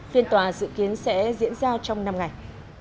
phiên tòa dự kiến sẽ diễn ra trong năm ngày